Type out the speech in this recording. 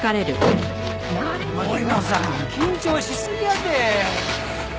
森野さん緊張しすぎやて。